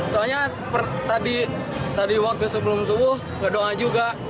soalnya tadi waktu sebelum subuh gak doa juga